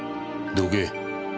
どけ。